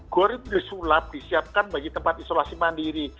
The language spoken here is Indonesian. gor itu disulap disiapkan bagi tempat isolasi mandiri